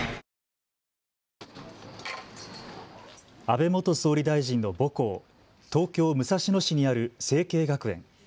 安倍元総理大臣の母校、東京・武蔵野市にある成蹊学園。